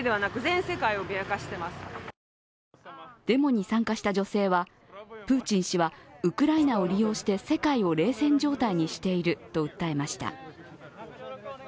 デモに参加した女性は、プーチン氏はウクライナを利用して世界を冷戦状態にしていると訴えました。